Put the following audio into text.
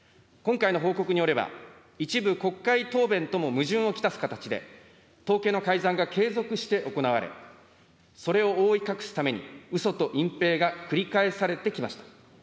今回の報告によれば、一部国会答弁とも矛盾を来す形で、統計の改ざんが継続して行われ、それを覆い隠すために、うそと隠蔽が繰り返されてきました。